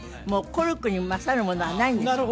コルクに勝るものはないんですよ